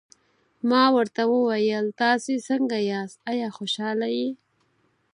ما ورته وویل: تاسي څنګه یاست، آیا خوشحاله یې؟